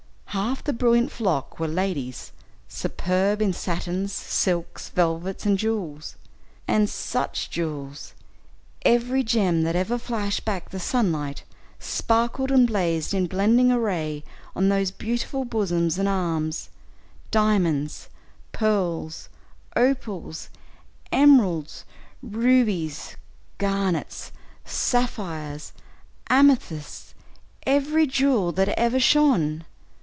Half the brilliant flock were ladies, superb in satins, silks, velvets and jewels. And such jewels! every gem that ever flashed back the sunlight sparkled and blazed in blending array on those beautiful bosoms and arms diamonds, pearls, opals, emeralds, rubies, garnets, sapphires, amethysts every jewel that ever shone.